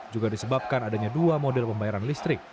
juga disebabkan adanya dua model pembayaran listrik